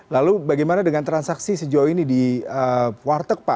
lalu bagaimana dengan transaksi sejauh ini di warteg pak